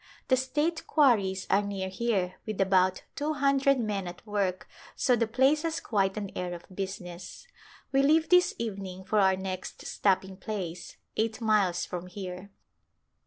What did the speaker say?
The state quarries are near here with about two hun dred men at work so the place has quite an air of business. We leave this evening for our next stop ping place, eight miles from here.